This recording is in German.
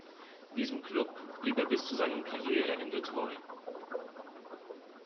Diesem Klub blieb er bis zu seinem Karriereende treu.